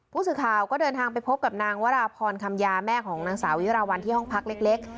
ผู้สื่อข่าวก็เดินทางไปพบกับนางวราพรคำยาแม่ของนางสาวิราวัลที่ห้องพักเล็ก